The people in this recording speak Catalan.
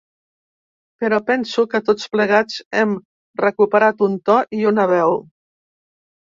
Però penso que tots plegats hem recuperat un to i una veu.